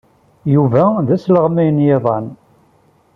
Yuba d asleɣmay n yiḍan.